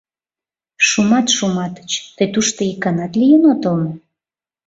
Шумат Шуматыч, тый тушто иканат лийын отыл мо?